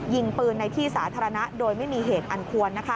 ยิงปืนในที่สาธารณะโดยไม่มีเหตุอันควรนะคะ